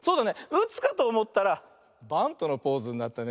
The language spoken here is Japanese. うつかとおもったらバントのポーズになったね。